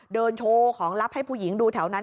เดินโชว์ของลับให้ผู้หญิงดูแถวนั้น